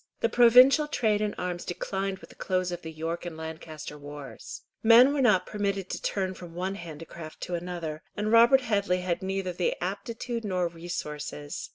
The provincial trade in arms declined with the close of the York and Lancaster wars. Men were not permitted to turn from one handicraft to another, and Robert Headley had neither aptitude nor resources.